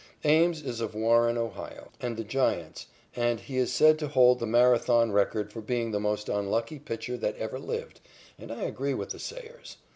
Ames is of Warren, Ohio, and the Giants, and he is said to hold the Marathon record for being the most unlucky pitcher that ever lived, and I agree with the sayers.